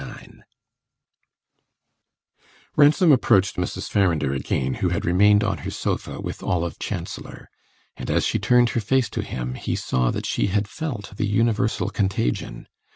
IX Ransom approached Mrs. Farrinder again, who had remained on her sofa with Olive Chancellor; and as she turned her face to him he saw that she had felt the universal contagion.